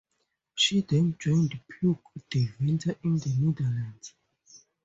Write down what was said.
She then joined Puck Deventer in the Netherlands.